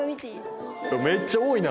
めっちゃ多いな。